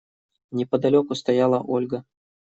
Неподалеку стояла Ольга.